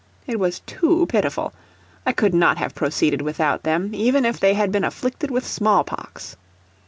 It was too pitiful, I could not have proceeded without them, even if they had been afflicted with small pox.